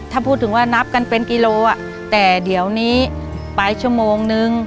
ถ้าพูดถึงว่านับกันเป็นกิโลแต่เดี๋ยวนี้ไปชั่วโมงนึง